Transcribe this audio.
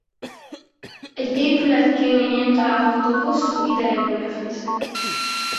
Egy épület kéményén található hosszú ideje gólyafészek.